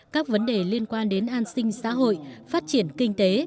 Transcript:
các vấn đề liên quan đến an sinh xã hội phát triển kinh tế